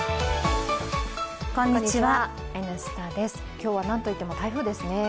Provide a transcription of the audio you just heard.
今日はなんといっても台風ですね。